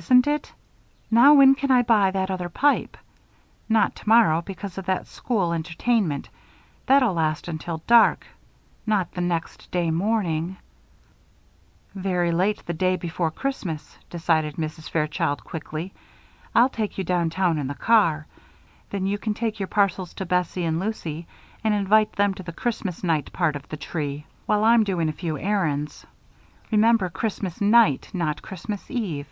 "Isn't it? Now when can I buy that other pipe? Not tomorrow, because of that school entertainment. That'll last until dark. Not the next day morning " "Very late the day before Christmas," decided Mrs. Fairchild, quickly, "I'll take you downtown in the car. Then you can take your parcels to Bessie and Lucy and invite them to the Christmas night part of the tree, while I'm doing a few errands. Remember, Christmas night, not Christmas eve."